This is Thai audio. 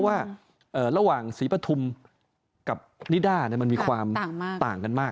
แล้วห่างสีตาธุมกับนิด้ามันมีความต่างกันมาก